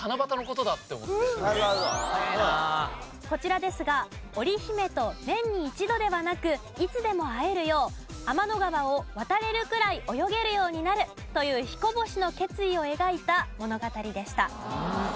こちらですが織姫と年に１度ではなくいつでも会えるよう天の川を渡れるくらい泳げるようになるという彦星の決意を描いた物語でした。